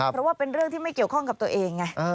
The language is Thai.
เพราะว่าเป็นเรื่องที่ไม่เกี่ยวข้องกับตัวเองไง